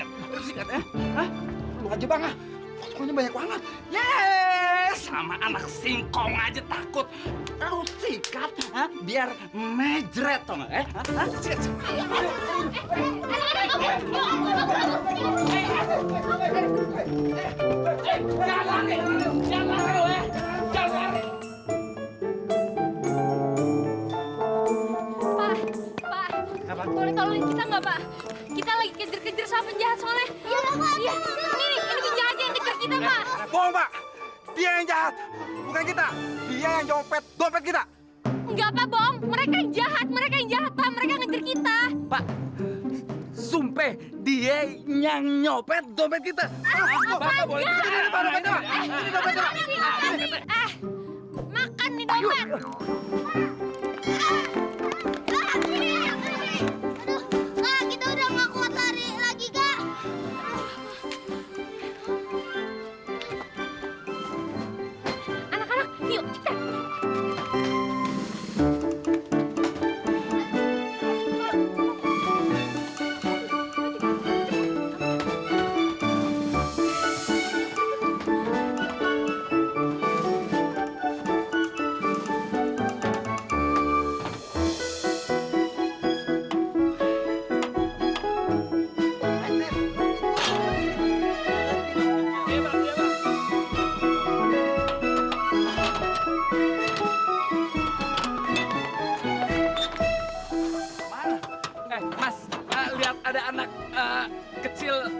astaga laura nanti mereka datang kesini lagi